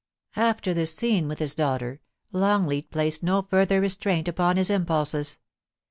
After this scene with his daughter, Longleat placed no further restraint upon his impulses.